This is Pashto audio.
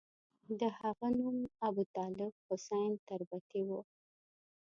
د هغه نوم ابوطالب حسین تربتي وو.